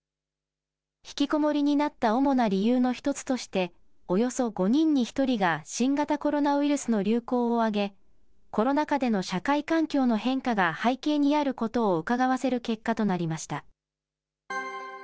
引きこもりになった主な理由の一つとして、およそ５人に１人が新型コロナウイルスの流行を挙げ、コロナ禍での社会環境の変化が背景にあることをうかがわせる結果となりました。